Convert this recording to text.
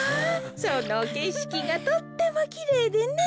そのけしきがとってもきれいでね。